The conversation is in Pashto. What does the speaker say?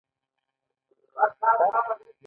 سکاره په ژمي کې د کوټې تودولو لپاره کاریږي.